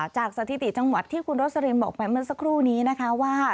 สถิติจังหวัดที่คุณโรสลินบอกไปเมื่อสักครู่นี้นะคะว่า